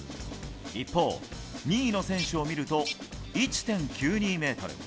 一方、２位の選手を見ると１．９２ｍ。